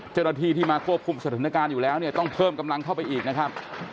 เจ้าหน้าที่ที่มาควบคุมสถานการณ์อยู่แล้วเนี่ยต้องเพิ่มกำลังเข้าไปอีกนะครับ